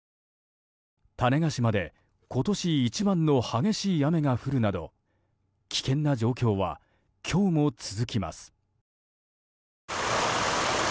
種子島で今年一番の激しい雨が降るなど危険な状況は今日も続きます。